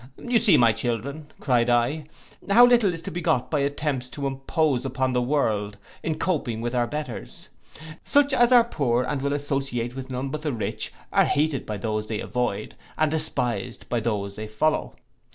'You see, my children,' cried I, 'how little is to be got by attempts to impose upon the world, in coping with our betters. Such as are poor and will associate with none but the rich, are hated by those they avoid, and despised by these they follow.